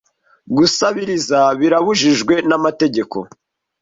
Gusabiriza birabujijwe n'amategeko.